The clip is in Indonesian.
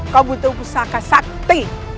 kau butuh pusaka sakti